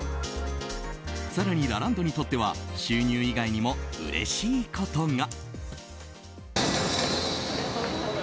更に、ラランドにとっては収入以外にもうれしいことが。